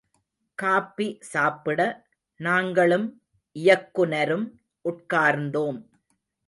Copy சாப்பிட, நாங்களும் இயக்குநரும் உட்கார்ந்தோம்.